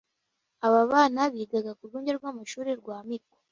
Aba bana bigaga ku rwunge rw`amashuri rwa Rwamiko